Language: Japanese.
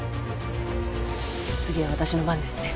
次は私の番ですね。